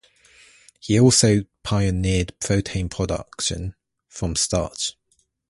He also pioneered protein production from starch.